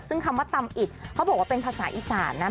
ซึ่งคำว่าตำอิดเขาบอกว่าเป็นภาษาอีสานนะ